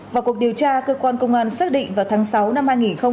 vào cuộc điều tra cơ quan công an xác định vào tháng sáu năm hai nghìn một mươi sáu